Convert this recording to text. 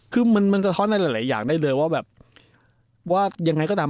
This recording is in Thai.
คือมันสะท้อนหลายอย่างได้เลยว่ายังไงก็ตาม